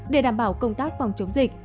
để đảm bảo công tác phòng chống dịch